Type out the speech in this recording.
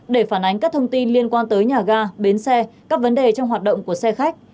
để phản ánh các thông tin liên quan tới nhà ga bến xe các vấn đề trong hoạt động của xe khách